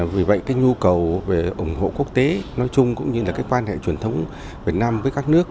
vì vậy cái nhu cầu về ủng hộ quốc tế nói chung cũng như là cái quan hệ truyền thống việt nam với các nước